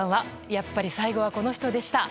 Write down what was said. やっぱり最後はこの人でした。